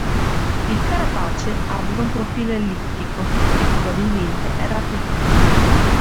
Il carapace aveva un profilo ellittico e probabilmente era appiattito.